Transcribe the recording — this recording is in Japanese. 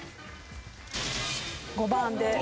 ５番で。